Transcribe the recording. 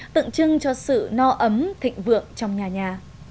tượng trưng cho sự no ấm thịnh vượng trong nhà nhà